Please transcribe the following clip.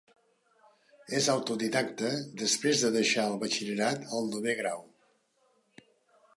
És autodidacta, després de deixar el batxillerat al novè grau.